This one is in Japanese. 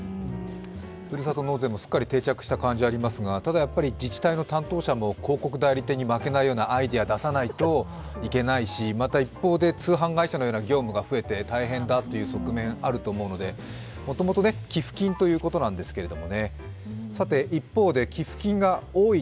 ふるさと納税もすっかり定着した感じがありますがただやっぱり自治体の担当者も広告代理店に負けないようなアイデアを出さないといけないし、また、一方で通販会社のような業務が増えて大変だという側面、あると思うので、もともと寄付金ということなんですけれども。